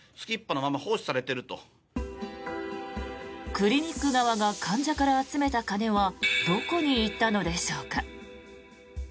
クリニック側が患者から集めた金はどこに行ったのでしょうか。